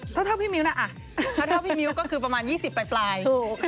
ถ้าเดาพี่มิวก็คือ๒๐ไปปลาย